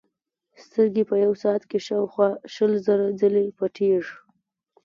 سترګې په یوه ساعت کې شاوخوا شل زره ځلې پټېږي.